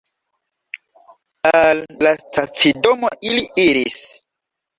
Al la stacidomo ili iris.